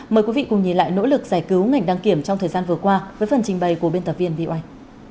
mời quý vị cùng nhìn lại nỗ lực giải cứu ngành đăng kiểm trong thời gian vừa qua với phần trình bày của biên tập viên vị oanh